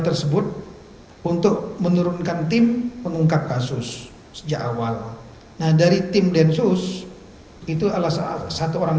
tersebut untuk menurunkan tim mengungkap kasus sejak awal nah dari tim densus itu alasan satu orang